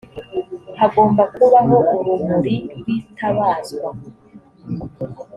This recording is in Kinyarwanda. hagomba kubaho urumuri rwitabazwa